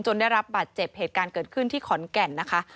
ได้รับบาดเจ็บเหตุการณ์เกิดขึ้นที่ขอนแก่นนะคะ